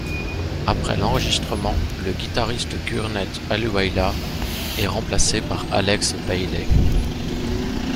Après l'enregistrement, le guitariste Gurneet Ahluwalia est remplacé par Alex Bailey.